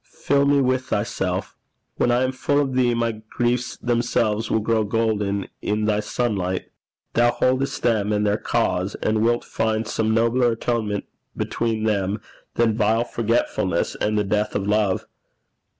Fill me with thyself. When I am full of thee, my griefs themselves will grow golden in thy sunlight. Thou holdest them and their cause, and wilt find some nobler atonement between them than vile forgetfulness and the death of love.